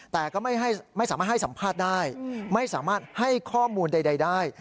แต่ก็ไม่สามารถให้สัมภาษณ์ได้ไม่สามารถให้ข้อมูลใดได้